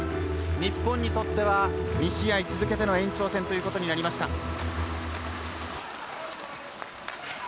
日本にとっては２試合続けての延長戦ということになりました。